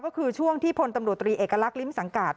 ก็คือช่วงที่พลตำรวจตรีเอกลักษณ์ลิ้มสังกาศ